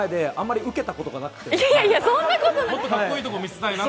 もっとかっこいいところ見せたいなと。